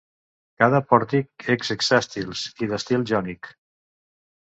Cada pòrtic és hexàstil i d'estil jònic.